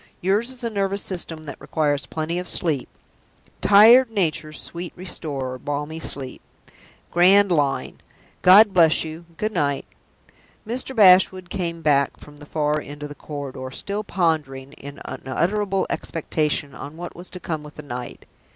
Yours is a nervous system that requires plenty of sleep. 'Tired nature's sweet restorer, balmy sleep.' Grand line! God bless you good night!" Mr. Bashwood came back from the far end of the corridor still pondering, in unutterable expectation, on what was to come with the night.